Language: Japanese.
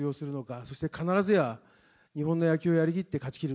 そして必ずや、日本の野球をやり切って勝ち切る。